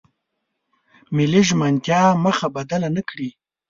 ملي ژمنتیا مخه بدله نکړي.